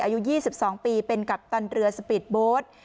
อายุยี่สิบสองปีเป็นกัปตันเรือสปีดโบสต์